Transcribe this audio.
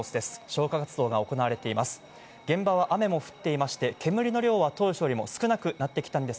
消火活動が行われています。